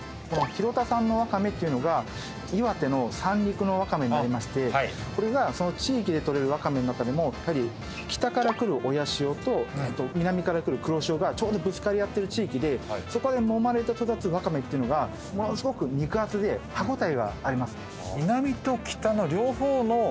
広田産のワカメっていうのが岩手の三陸のワカメになりましてこれがその地域で採れるワカメの中でも北から来る親潮と南から来る黒潮がちょうどぶつかり合ってる地域でそこでもまれて育つワカメがものすごく肉厚で歯応えがある。